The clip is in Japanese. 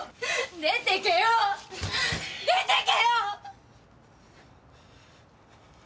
出てけよ出てけよ！